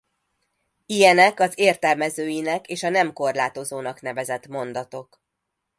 Ilyenek az értelmezőinek és a nem korlátozónak nevezett mondatok.